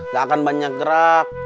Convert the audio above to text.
gak akan banyak gerak